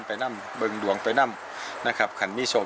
ที่จะไปคนบ้านเต็มส่วน